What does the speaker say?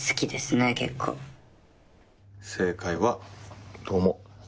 正解はどうも。